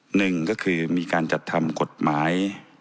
หนึ่งก็คือมีการจัดทำกฎหมาย